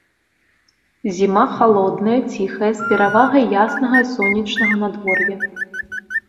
Зіма халодная, ціхая, з перавагай яснага і сонечнага надвор'я.